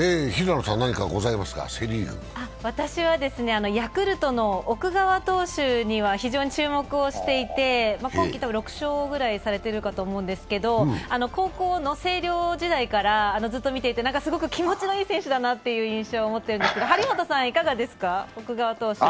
私はヤクルトの奥川投手には非常に注目をしていて今季６勝ぐらいされていると思うんですけど高校の星稜時代からずっと見ていて、気持ちのいい選手だなという印象を持っているんですけど、張本さん、いかがですか、奥川投手は。